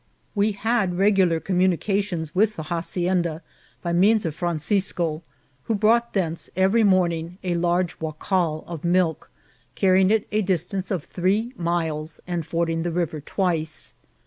We had regular communications with the hacienda by means of Francisco, who brought thence every mom ing a large waccal of milk, carrying it a distance of three miles, and fcnrding the river twice.